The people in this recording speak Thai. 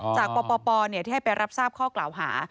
จากปปที่ให้ไปรับทราบข้อกล่าวหา